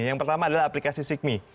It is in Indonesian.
yang pertama adalah aplikasi sikmy